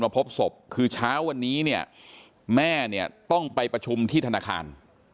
พบศพคือเช้าวันนี้เนี่ยแม่เนี่ยต้องไปประชุมที่ธนาคาร